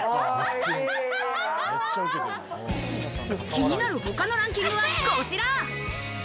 気になる他のランキングはこちら。